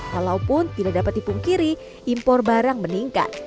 walaupun tidak dapat dipungkiri impor barang meningkat